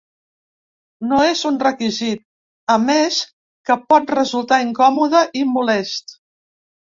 No és un requisit, a més que pot resultar incòmode i molest.